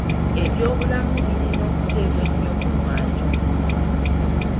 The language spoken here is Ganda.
Ebyobulamu birina okuteeebwa ennyo ku kumwanjo.